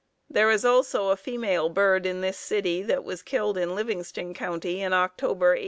There is also a female bird in this city that was killed in Livingston County in October, 1892."